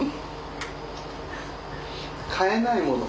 飼えないもの。